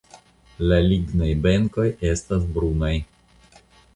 La lignaj benkoj estas brunaj.